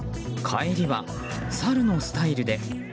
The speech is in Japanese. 帰りはサルのスタイルで。